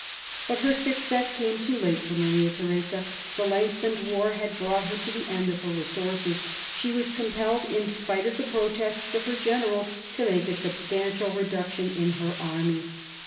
But her success came too late for Maria Theresa. The lengthened war had brought her to the end of her resources ; she was compelled, in spite of the protests of her generals, to make a substantial reduction in her army.